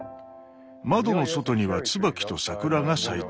窓の外には椿と桜が咲いています。